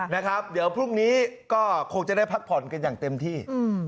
นะครับเดี๋ยวพรุ่งนี้ก็คงจะได้พักผ่อนกันอย่างเต็มที่